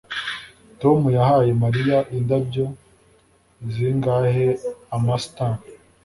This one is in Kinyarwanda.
Tom yahaye Mariya indabyo zingahe Amastan